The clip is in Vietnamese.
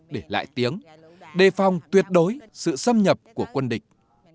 để lại tiếng đề phòng tuyệt đối sự xâm nhập của quân địch